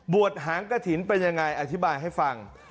บวชหางกฐินเป็นอย่างไรอธิบายให้ฟัง